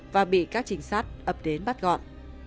và bị các trình sát ập đến bắt gọn